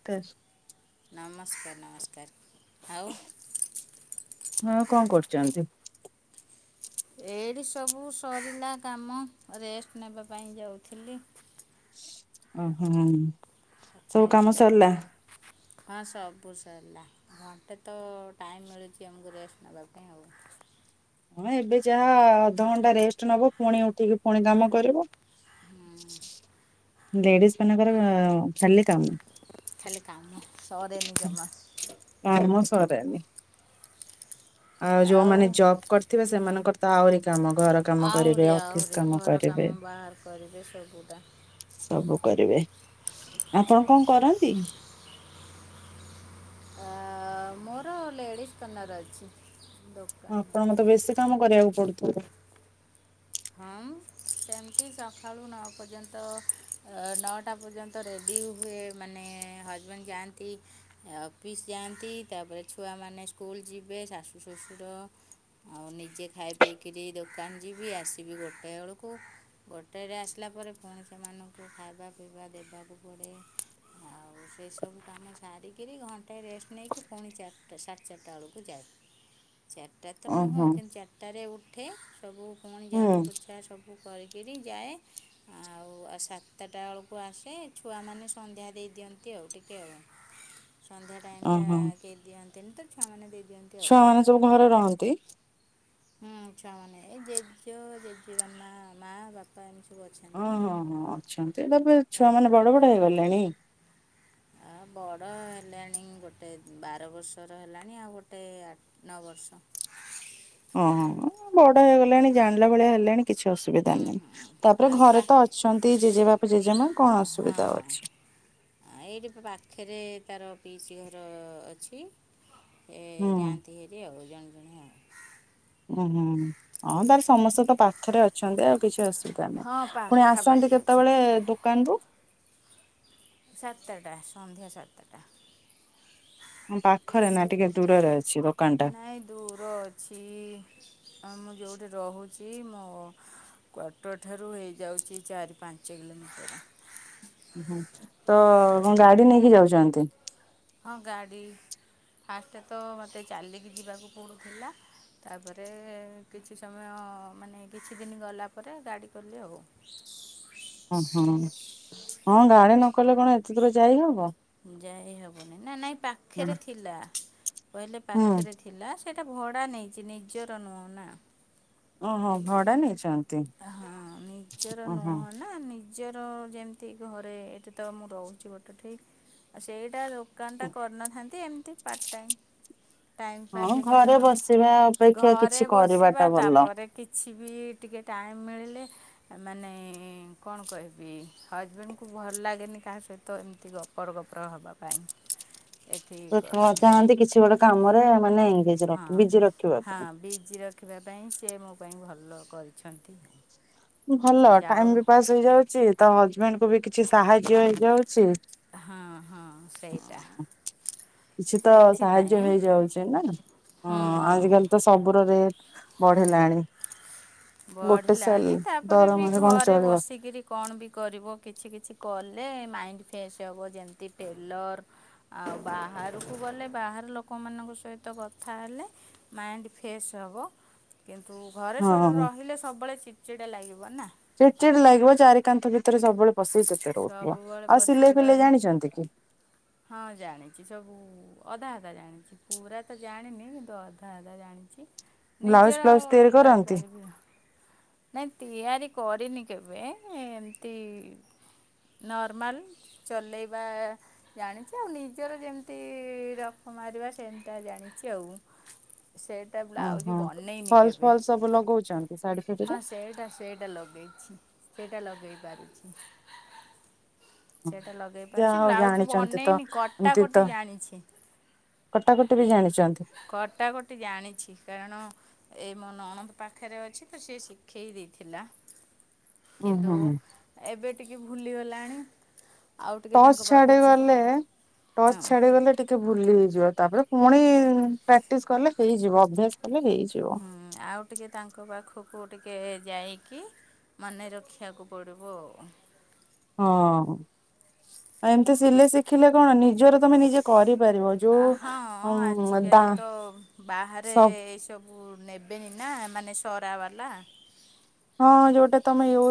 [unintelligible] ନମସ୍କାର ନମସ୍କାର ଆଉ। ଆଉ କଣ କରୁଚନ୍ତି? ଏଇଠି ସବୁ ସରିଲା କାମ ରେଷ୍ଟେ ନେବା ପାଇଁ ଯାଉଥିଲି। ଓହୋ। ସବୁ କଥା କାମ ହେଇଯିବା ସରିଲା? ଭାବିଲି ହଁ ସବୁ ସରିଲା। ଘଣ୍ଟେ ତ ଟାଇମ୍ ମିଳୁଚି ଆମକୁ ରେଷ୍ଟେ ନେବା ପାଇଁ ଆଉ। ହଁ ଏବେ ଯାହା ଅଧଘଣ୍ଟା ରେଷ୍ଟେ ନବ ପୁଣି ଉଠିକି ପୁଣି କାମ କରିବ। ଲେଡ଼ିସ୍ ମାନଙ୍କର ଖାଲି କାମ। ଖାଲି କାମ ସରେନି ଜମା। କାମ ସରେନି। ଆଉ ଯୋଉମାନେ ଜବ୍ କରିଥିବେ ସେମାନଙ୍କର ତ ଆହୁରି କାମ ଘର କାମ ଆହୁରି କରିବେ ଅଫିସ୍ ଆହୁରି କାମ ଘର କରିବେ। କାମ ବାହାର କରିବେ ସବୁଟା ସବୁ କରିବେ ଆପଣ କଣ କରନ୍ତି? ଅଁ ମୋର ଲେଡିସ୍ କନର ଅଛି। ଦୋକାନ ଆପଣଙ୍କୁ ତ ବେଶୀ ଅଛି କାମ କରିବାକୁ ପଡୁଥିବ। ହଁ ମ ସେମିତି ସକାଳୁ ନଅ ପର୍ଯ୍ୟନ୍ତ ନଅଟା ପର୍ଯ୍ୟନ୍ତ। ତ ରେଡ଼ି ହୁଏ ମାନେ ହଜବେଣ୍ଡ ଯାଆନ୍ତି। ଏ ଅଫିସ ଯାଆନ୍ତି ତାପରେ ଛୁଆମାନେ ସ୍କୁଲ ଯିବେ ଶାଶୁ ଶଶୁର। ଆଉ ନିଜେ ଖାଇ ପିଇକିରି ଦୋକାନ ଯିବି ଆସିବି ଗୋଟେ ବେଳକୁ। ଗୋଟାଏ ରେ ଆସିଲା ପରେ ପୁଣି ସେମାନଙ୍କୁ ଖାଇବା ପିଇବା ଦେବାକୁ ପଡ଼େ। ଆଉ ସେସବୁ କାମ ସାରିକିରି ଘଣ୍ଟାଏ ରେଷ୍ଟ ନେଇକି ପୁଣି ଚାରିଟା ସାଢ଼େ ଚାରିଟା ବେଳକୁ ଯାଏ। ଚାରିଟା ତ ନୁହଁ ଓହୋ କିନ୍ତୁ ଚାରିଟାରେ ଉଠେ ସବୁ ପୁଣି ଝା ହୁଁ ସଫା ସବୁ କରିକିରି ଯାଏ। ଆଉ ଆଉ ସାତଟା ବେଳକୁ ଆସେ ଛୁଆମାନେ ସନ୍ଧ୍ୟା ଦେଇ ଦିଅନ୍ତି ଆଉ ଟିକେ‌ ଆଉ। ସନ୍ଧ୍ୟା ଟାଇମ ଟା ଓହୋ କେଇ ଦିଅନ୍ତି ନି ତ ଛୁଆମାନେ ଦେଇ ଦିଅନ୍ତି। ଆଉ ଛୁଆ ମାନେ ସବୁ ଘରେ ରହନ୍ତି। ହୁଁ ଛୁଆମାନେ ଏଇ ଜେଜେ ଜେଜେ ବା ମା ମା ବା ପା‌ ଏମିତି ସବୁ ଅଛନ ଓ ହଁ ହଁ ଅଛନ୍ତି ତବେ ଛୁଆ ତାଙ୍କ ମାନେ ବଡ ବଡ ହେଇଗଲେଣି। ଆ ବଡ଼ ହେଲାଣି ଗୋଟେ ବାରବର୍ଷର ହେଲାଣି ଆଉ ଗୋଟେ ଆ ନଅ ବର୍ଷ। ଓ ହୋ ଏଁ ବଡ ହେଇଗଲେଣି ଜାଣିଲା ଭଳିଆ ହେଲେଣି। କିଛି ହୁଁ ଅସୁବିଧା ହୁଁ ନାହିଁ ତାପରେ ଆଉ ପା ଘରେ ତ ଅଛନ୍ତି ଜେଜେବାପା ଜେଜେ ମା କଣ ଅସୁବିଧା ଆଉ ଅଛି। ଆ ଏଇଠି ପା ପାଖରେ ତାର ପିଇସି ଘର ଅଛି। ଏ ହୁଁ। ଯାଆନ୍ତି ହେରି ଆଉ ଜଣେ ଜଣେ ଆଉ। ଉଁ ହୁଁ ହଁ ତାହେଲେ ସମସ୍ତେ ତ ପାଖରେ ଅଛନ୍ତି ଆଉ କିଛି ଅସୁବିଧା। ହଁ ନାଇଁ ପୁଣି ଆସନ୍ତି ପାଖାପାଖି ଅଛନ୍ତି କେତେବେଳେ ଦୋକାନରୁୁ। ସାତେଟା ସନ୍ଧ୍ୟା ସାତେଟା। ଅଁ ପାଖରେ ନା ଟିକେ ଦୂରରେ ଅଛି। ଦୋକାନ ଟା। ନାଇଁ ଦୂର ଅଛି ଏଁ ମୁଁ ଯୋଉଠି ରହୁ ଚି ମୋ କ୍ୱାଟର ଠାରୁ ହେଇଯାଉଛି ଚାରି ପାଞ୍ଚ କିଲୋମିଟର। ଉଁ ହୁଁ ତ କଁ ଗାଡ଼ି ନେଇକି ଯାଉଛନ୍ତି। ହଁ ଗାଡ଼ି ଫାଷ୍ଟ ତ ମୋତେ ଚାଲିକି ଯିବାକୁ ପଡ଼ୁଥିଲା। ତାପରେ କିଛି ସମୟ ମାନେ କିଛି ଦିନ ଗଲା ପରେ ଗାଡ଼ି କଲି ଆଉ। ହ ଅ ହଁ ହଁ ଗାଡି ନକଲେ କଣ ଏତେ ଦୂର ଯାଇହବ। ଯାଇ ହବନି ନା ନାଇଁ ପାଖରେ ଥିଲା କହିଲେ ହୁଁ ପାଖରେ। ଥିଲା ସେଇଟା ଭଡ଼ା ନେଇଛି ନିଜର ନୁହଁ ନା। ଓହୋ ଭଡା ନେଇଛନ୍ତି। ହଁ ନିଜର ଓହୋ। ନୁହଁ ନା ନି ନିଜର ଯେମିତି ଘରେ ଏଠି ତ ମୁଁ ରହୁଛି ଗୋଟେ ଠେଇ ଆଉ ସେଇଟା। ଦୋକାନ ଟା କରିନଥାନ୍ତି ଏମିତି ପାର୍ଟ ଟାଇମ୍। ଟାଇମ୍ ପାସ୍ ହଁ ହୁଏ ଘରେ କାରଣ ବସିବା ଅପେକ୍ଷା କିଛି ଘରେ ବସିବା କରିବାଟା ଭଲ। ତାପରେ କିଛି ବି ଟିକେ। ଟାଇମ୍ ମିଳିଲେ। ମାନେ କଣ କହିବି ହଜବେଣ୍ଡ କୁ ଭଲ ଲାଗେନି କାହା ସହିତ ଏମିତି ଗପ ଗପର ଗପର ହବା ପାଇଁ। ଏଠି ସେ କେବଳ କଲୋନୀରେ ଚାହାନ୍ତି କିଛି ଗୋଟେ କାମରେ ମାନେ ବିଜି ର ହଁ ବିଜି ରଖିବା ହଁ ପାଇଁ। ବିଜି ର ରଖିବା ପାଇଁ ସେ ମୋ ପାଇଁ ଭଲ କରିଛନ୍ତି। ସେ ଭଲ ଯାଉ ଟାଇମ ବି ପାସ୍ ହେଇଯାଉଛି ତ ହଜବେଣ୍ଡ କୁ ବି କିଛି ସାହାଯ୍ୟ ହେଇଯାଉଛି। ହଁ ହଁ ସେଇଟା। କିଛି ତ ସାହାଯ୍ୟ ସେଥିପାଇଁ ହେଇଯାଉଛି ନା ହୁଁ ହଁ ହୁଁ ଆଜିକାଲି। ତ ସବୁର ରେଟ ବଢିଲାଣି। ଗୋଟେ ସେଲ ବଢିଲାଣି ତାପରେ ବି ଦରମାରେ କଣ ଘରେ ଚଳିବ ବସି କିରି କଣ ବି କରିବ କିଛି କିଛି କଲେ ମାଇଣ୍ଡ ଫ୍ରେଶ ହବ ଯେମିତି ଟେଲର ଆଉ ବାହାରକୁ ଗଲେ ବାହାର ଲୋକମାନଙ୍କ ସହିତ କଥା ହେଲେ। ମାଇଣ୍ଡ ଫେଶ୍ ହେବ କିନ୍ତୁ ଘରେ ହଁ। ରହିଲେ ସବୁବେଳେ ଚିଡ଼ଚିଡ଼ା ଲାଗିବ ନା। ଚିଡ ଚିଡ ଲାଗିବ ଚାରି କାନ୍ଥ ଭିତରେ ସବୁବେଳେ ପଶିକି କେତେ ରହୁଥିବା ସବୁବେଳେ ଆଉ ପଶିକି ସିଲେଇ ଫିଲେଇ ରହିଲେ ଜାଣିଛନ୍ତି କି? ହଁ ଜାଣିଛି ସବୁ ଅଧା ଅଧା ଜାଣିଛି ପୁରା ତ ଜାଣିନି କିନ୍ତୁ ଅଧା ଅଧା ଜାଣିଛି। ବ୍ଲାଉଜ ନିଜର ଫ୍ଲାଉଜ ତିଆରି ଇଏ କରନ୍ତି କରିପାରିବି। ନାଇଁ ତିଆରି କରିନି କେବେ ଏମିତି ନର୍ମାଲ ଚଲେଇବା ଜାଣିଛି ଆଉ ନିଜର ଯେମିତି ରଫୁ ମାରିବା ସେମିତିଆ ଜାଣିଛି ଆଉ ସେଟା ଓହୋ। ବ୍ଲାଉଜ ବନେଇନି ଫଲସ କେବେ ଫଲସ ସବୁ ଲଗଉଛନ୍ତି ଶାଢୀ ଫାଡିରେ ହଁ ସେଟା ସେଇଟା ଲଗେଇଛି ସେଇଟା ଲଗେଇ ପାରୁଛି। ସେଇଟା ଲଗେଇ ଯାହା ପାରୁଛି ହଉ ବ୍ଲାଉଜ ଜାଣିଛନ୍ତି ତ ବନେଇନି ଏମତି କଟାକଟି ତ ଜାଣିଛି। କଟାକଟି ବି ଜାଣିଛନ୍ତି? କଟାକଟି ଜାଣିଛି କାରଣ ଏଇ ମୋ ନଣନ୍ଦ ପାଖରେ ଅଛି ତ ସେ ଶିଖେଇ ଦେଇଥିଲା। ଉୁଁ କିନ୍ତୁ ହୁଁ ଏବେ ଟିକେ ଭୁଲିଗଲାଣି। ଆଉ ଟିକେ ଟଚ ତାଙ୍କ ପାଖକୁ ଯି ଛାଡିଗଲେ ଟଚ ହଁ ଛାଡିଗଲେ ଟିକେ ଭୁଲି ହେଇଯିବ ତାପରେ ପୁଣି ପ୍ରାକ୍ଟିସ କଲେ ହେଇଯିବ ଅଭ୍ୟାସ କଲେ ହେଇଯି ହୁଁ ଆଉ ଟିକେ ତାଙ୍କ ପାଖକୁ ଟିକେ ଯାଇକି ମନେ ରଖିବାକୁ ପଡ଼ିବ ଆଉ ହଁ ଆଉ ଏମିତି ସିଲେଇ ଶିଖିଲେ କଣ ନିଜର ତମେ ନିଜେ କରିପାରିବ। ଯୋଉ ଆ ହଁ ଉଁ ଦା ଆଜିକାଲି ତ ବାହାରେ ସବ ଏ ସବୁ ନେବେ ନା ମାନେ ସରା ବାଲା। ହଁ ଯୋଉଟା ତମେ ୟୁ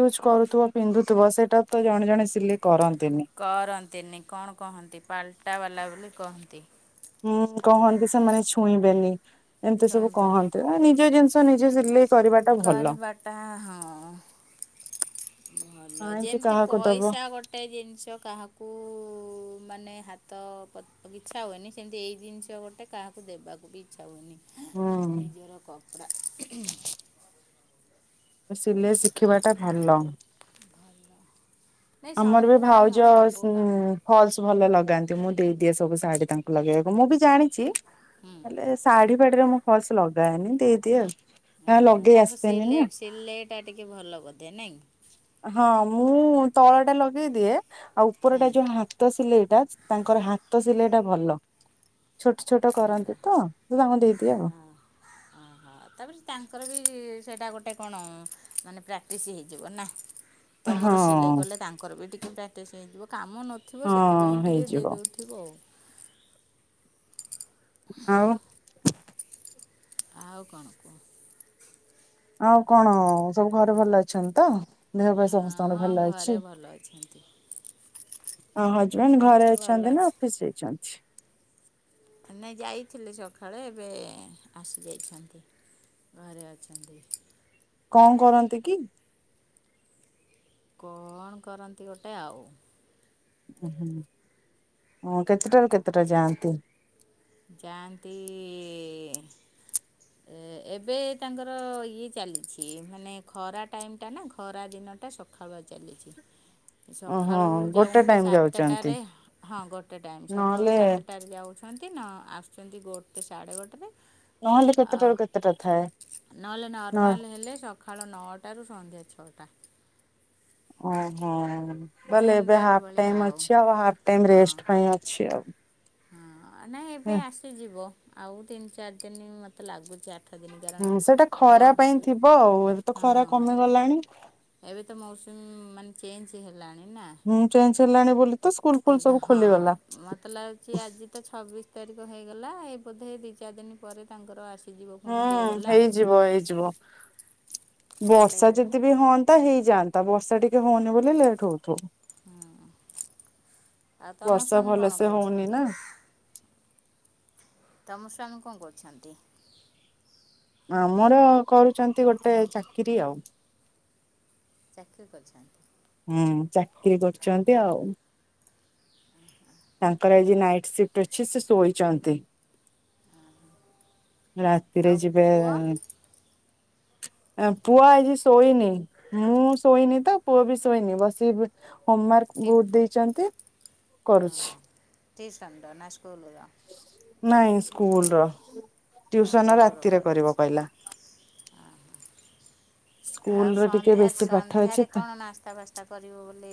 ୟୁଜ୍ କରୁଥିବ ପିନ୍ଧୁଥିବ ସେଇଟା ତ ଜଣେ ଜଣେ ସିଲେଇ କରନ୍ତିନି। କରନ୍ତିନି କଣ କହନ୍ତି ପାଲଟାବାଲା ବୋଲି କହନ୍ତି। ହୁଁ କହନ୍ତି ସେମାନେ ଛୁଇଁବେନି ଏମିତି ସବୁ ଶୁଣିବେନି କହନ୍ତି ନିଜ ଜିନିଷ ନିଜେ ସିଲେଇ କରିବାଟା ଭଲ କରିବାଟା ହଁ। ଭଲ କାହିଁକି ଯେମିତି କାହାକୁ ଦବ ପଇସା ଗୋ ଗୋଟେ ଜିନିଷ କାହାକୁ ମାନେ ହାତ ପ ଇଚ୍ଛା ହୁଏନି ସେମିତି ଏଇ ଜିନିଷ ଗୋଟେ କାହାକୁ ଦେବାକୁ ବି ଇଚ୍ଛା ହୁଏନି ହୁଁ ନିଜର କପଡ଼ା। ସିଲେଇ ଶିଖିବାଟା ଭଲ। ନାଇଁ ଆମର ବି ସବୁ କାମ ଭାଉଜ ସବୁ ଉଁ କାମ ଫଲସ ଭଲ ଲଗାନ୍ତି ମୁଁ ଦେଇଦିଏ ସବୁ ଶାଢୀ ତାଙ୍କୁ ଲଗେଇବାକୁ ମୁଁ ବି ଜାଣିଛି ହୁଁ। ହେଲେ ଶାଢୀ ପାଢିରେ ମୁଁ ଫଲସ ଲଗାଏନି ଦେଇଦିଏ ଆଉ ହଁ ହଁ ଲଗେଇ ତାଙ୍କ ଆସେନି ନା। ସିଲେଇ ସିଲେଇଟା ଟିକେ ଭଲ ବୋଧେ ନାଇଁ? ହଁ ମୁଁ ତଳଟା ଲଗେଇ ଦିଏ ଆଉ ହଁ ଉପରଟା ଯୋଉ ହା ହାତ ସିଲେଇଟା ତାଙ୍କର ହାତ ସିଲେଇଟା ଭଲ। ଛୋଟ ଛୋଟ ଭଲ। କରନ୍ତି ତ ତାଙ୍କୁ ଦେଇଦିଏ ଆଉ ହଁ। ହଁ ତାପରେ ତାଙ୍କର ବି ସେଇଟା ଗୋଟେ କଣ ମାନେ ପ୍ରାକ୍ଟିସ୍ ହେଇଯିବ ନା? ହଁ ତମର ସିଲେଇ କଲେ ତାଙ୍କର ବି ଟିକିେ ପ୍ରାକ୍ଟିସ୍ ହେଇଯିବ କାମ ନଥିବ ହଁ ସେଥିପାଇଁ ଟିକେ ହେଇଯିବ ଦେଇଦଉ ଥିବ ଆଉ ଆଉ ଆଉ କଣ କୁହ? ଆଉ କଣ ସବୁ ଘରେ ଭଲ ଅଛନ୍ତି ତ? ଦେହ ପାହା ହଁ ସମସ୍ତଙ୍କର ହଁ ଭଲ ଅଛି? ଘରେ ଭଲ ଅଛନ୍ତି। ଆଉ ହଜବେଣ୍ଡ ଘରେ ଅଛନ୍ତି ନା ଅଫିସ ଯାଇଛନ୍ତି? ନାଇଁ ଯାଇଥିଲେ ସକାଳେ ଏବେ ଆସି ଯାଇଛନ୍ତି। ଘରେ ଅଛନ୍ତି। କଣ କରନ୍ତି କି? କଣ କରନ୍ତି ଗୋଟେ ଆଉ। ଓ ହୁଁ ହୁଁ କେତେଟାରୁ କେତେଟା ଯାଆନ୍ତି? ଯାଆନ୍ତି ଏ ଏବେ ତାଙ୍କର ଇଏ ଚାଲିଛି ମାନେ ଖରା ଟାଇମ୍ ଟା ନା ଖରା ଦିନଟା ସକା ଖାବା ଚାଲିଚି। ଓହୋ ସକାଳୁ ଗୋଟେ ଯାଉନ୍ତି ଟାଇମ ଯାଉଛନ୍ତି ସାତଟାରେ ହଁ ଗୋଟେ ଟାଇମ୍ ସକାଳୁ ନହେଲେ ସାତଟାରେ ଯାଉ ଦିନ ଆସୁଛନ୍ତି ଗୋଟେ ସାଢ଼େ ଗୋଟେ ରେ। ନହେଲେ ଆ କେତେଟାରୁ କେତେଟା ଥାଏ? ନହେଲେ ନ ନର୍ମାଲ ହେଲେ ସ ସକାଳ ନଅଟାରୁ ସନ୍ଧ୍ୟା ଛଅଟା। ଓହୋ ତାହେଲେ ଏବେ ଜେନେରାଲ୍ ହାପ୍ ଭଳିଆ ଟାଇମ୍ ଅଛି ଆଉ ହାପ ଟାଇମ୍ ହଁ ରେଷ୍ଟ ପାଇଁ ଅଛି ଆଉ। ହଁ ନାଇଁ ଏବେ ଆସିଯିବ ଆଉ ତିନି ଚାରି ଦିନି ମତେ ଲାଗୁଛି ଆ ଆଠ ଦିନି ହୁଁ କାରଣ ସେଇଟା ଖରା ବସ୍ ପାଇଁ ଥିବ ଆଉ ଏବେ ତ ହଁ ଖରା କମିଗଲାଣି। ଏବେ ତ ମୌସୁମି ମାନେ ଚେଞ୍ଜ ହେଲାଣି ନା। ହୁଁ ଚେଞ୍ଜ ହେଲାଣି ବୋଲି ତ ସ୍କୁଲ ଫୁଲ ଏବେ ସବୁ ହଁ। ଖୋଲିଗଲା। ମତେ ଲାଗୁଛି ଆଜି ତ ଛବିଶି ତାରିଖ ହେଇଗଲା ଏ ବୋଧେ ଦି ଚାରି ଦିନ ପରେ ତାଙ୍କର ଆସ ହୁଁ ହେଇଯିବ ହେଇଯିବ ଡେ ବର୍ଷା ଯଦି ବି ହୁଅନ୍ତା ହେଇଯାଆନ୍ତା ବର୍ଷା ଟିକେ ହଉନି ବୋଲି ଲେଟ୍ ହଉଥିବ। ହୁଁ ଆଉ ତମ ବର୍ଷା ସ୍ଵାମୀ କଣ ଭଲସେ ହଉନି କରୁଛନ୍ତି? ନା ତମ ସ୍ୱାମୀ କଣ କରହୁଛନ୍ତି? ଆମର କରୁଛନ୍ତି ଗୋଟେ ଚାକିରିୀ ଆଉ। ଚାକିରୀ କରିଛନ୍ତି? ହୁଁ ଚାକିରୀ କରୁଛନ୍ତି ଆଉ। [inaudible] ତାଙ୍କର ଆଜି ନାଇଟ୍ ସିଫ୍ଟି ଅଛି ସେ ଶୋଇଛନ୍ତି। ରାତିରେ ଆଉ ଯିବେ ପୁଅ ପୁଅ ଆଜି ଶୋଇନି ମୁଁ ଶୋଇନି ତ ପୁଅ ବି ଶୋଇନି ବସିକି ହୋମୱାର୍କ ବହୁତ୍ ଦେଇଛନ୍ତି ଓ କରୁଛି ହଁ ଟିଉସନ୍ ର ନା ସ୍କୁଲର? ନାଇଁ ସ୍କୁଲ ର ଟିଉସନ୍ ରାତିରେ କରିବ କହିଲା। ସ୍କୁଲ ଓହ ର ଟିକେ ସନ୍ଧ୍ୟା ବେଶୀ ପାଠ ଅଛି ସନ୍ଧ୍ୟାରେ ତ କଣ ନାସ୍ତା ବାସ୍ତା ତା କରିବ ବୋଲି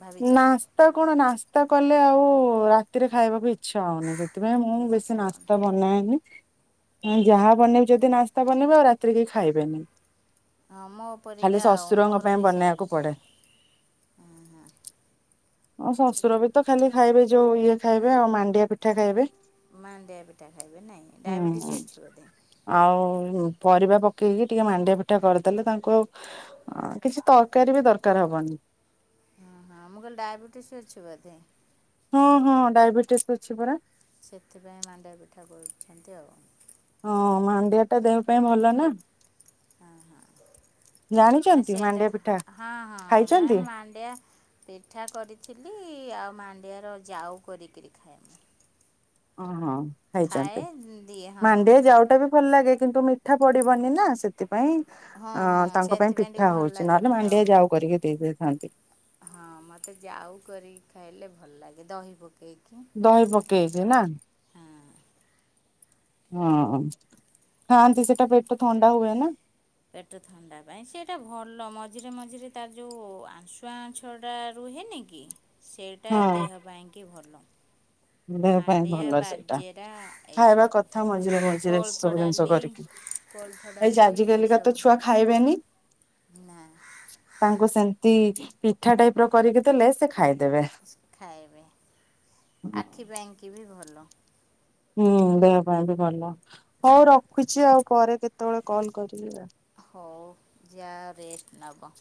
ଭାବିଛ ନାସ୍ତା କଣ ନାସ୍ତା କଲେ ଆଉ ରାତିରେ ଖାଇବାକୁ ଇଚ୍ ଛା ହଉନି ସେଥିପାଇଁ ମୁଁ ଇଚ୍ଛା ବେଶୀ ହେଉନି ନାସ୍ତା ବନାଏନି ଯାହା ବନେଇବି ଯଦି ନାସ୍ତା ବନେଇବି ଆଉ ରାତିରେ କେହି ଖାଇବେନି। ହଁ ମୋ ଖାଲି ପରିକା ଆଉ ଶଶୁରଙ୍କ ମୋର ପାଇଁ ବି ବନେଇବାକୁ ସେମିତି ପଡେ। ହଁ ଶ୍ୱଶୁର ବି ତ ଖାଲି ଖାଇବେ ଯୋଉ ଇଏ ଖାଇବେ ଆଉ ମାଣ୍ଡିଆ ପିଠା ଖାଇବେ ମାଣ୍ଡିଆ ପିଠା ଖାଇବେ ନାହିଁ ଡାଇବେଟିସ୍ ହୁଁ। ଅଛି ବୋଧେ ଆଉ ପରିବା ପକେଇକି ଟିକେ ମାଣ୍ଡିଆ ଫିଠା କରିଦେଲେ ତାଙ୍କୁ ଆଉ ହଁ କିଛି ତରକାରୀ ବି ଦରକାର ହବନି। ହଁ ହଁ ମୁଁ କହିଲି ଡାଇବେଟିସ୍ ଅଛି ବୋଧେ? ହଁ ହଁ ଡାଇବେଟିସ୍ ଅଛି ପରା। ସେଥିପାଇଁ ମାଡିଆ ପିଠା କରୁଛନ୍ତି ଆଉ। ହଁ ମାଣ୍ଡିଆ ଟା ଦେହ ପାଇଁ ଭଲ ନା। ହଁ ହଁ ନାଇ ଜାଣିଛନ୍ତି ସେଟା ମାଣ୍ଡିଆ ପିଠା ହଁ ହଁ ନାଇ ଖାଇଛନ୍ତି? ମାଣ୍ଡିଆ ମାଣ୍ଡିଆ ପିଠା କରିଥିଲି ଆଉ ମାଣ୍ଡିଆର ଜାଉ କରିକିରି ଖାଏ। ମୁଁ ଓହୋ ଖାଇଛନ୍ତି ଖାଏ ଦିଏ ହଁ ମାଣ୍ଡିଆ ଯାଉଟା ବି ଭଲ ଲାଗେ କିନ୍ତୁ ଠା ପଡିବନି ନା ସେଥିପାଇଁ ହଁ ଅ ହଁ ତାଙ୍କ ପାଇଁ ସେଥିପାଇଁ ଟିକେ ପିଠା ଭଲ ହଉଛି ନହେଲେ ଲାଗେନି ଆଉ ମାଣ୍ଡିଆ ଯାଉ କରିକି ଦେଇ ଦେଇଥାନ୍ତି। ହଁ ମୋତେ ଯାଉ କରିକି ଖାଇଲେ ଭଲ ଲାଗେ ଦହି ପକେଇକି। ଦହି ପକେଇକି ନା? ହଁ ହଁ ଖାଆନ୍ତି ସେଇଟା ପେଟ ଥଣ୍ଡା ହୁଏ ନା। ପେଟଥ ଥଣ୍ଡା ପାଇଁ ସେଟା ଭଲ ମଝିରେ ମଝିରେ ତା ଯୋଉ ଆଂଶୁଆ ଆଁଛଟା ରୁହେନି କି ସେଇଟା ହଁ ଦେହ ପାଇଁକି ଭଲ। ଦେହ ପାଇଁ ମାଣ୍ଡିଆ, ଭଲ ସେଇଟା ବାଜେରା ଏଇ ଖାଇବା ସବୁ କଥା ମଝିରେ ମଝିରେ କୋଳଥ ସବୁ ଜିନିଷ ଡାଲି। କରିକି କୋଳଥ ଏଇ ଯେ ଡାଲି ଆଜିକାଲିକା ତ ଏସବୁ ଛୁଆ ଖାଇବେନି ତାଙ୍କୁ ସେମିତି ପିଠା ଟାଇପର କରିକି ଦେଲେ ସେ ଖାଇଦେବେ। ଖାଇବେ ଆଖି ପାଇଁକି ବି ଭଲ। ହୁଁ ଦେହ ପାଇଁ ବି ଭଲ ହଉ ରଖୁଛି ଆଉ ପରେ କେତେବେଳେ କଲ କରିବି ଆଉ। ହଉ ଯାଅ ରେଷ୍ଟ ନେବ।